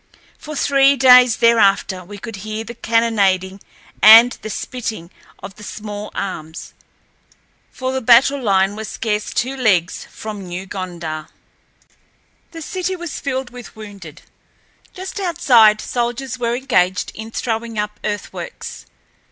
For three days thereafter we could hear the cannonading and the spitting of the small arms, for the battle line was scarce two leagues from New Gondar. The city was filled with wounded. Just outside, soldiers were engaged in throwing up earthworks.